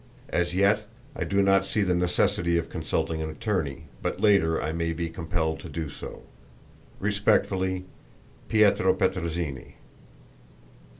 As yet I do not see the necessity of consulting an attorney, but later I may be compelled to do so. "Respectfully, "Pietro Petrozinni."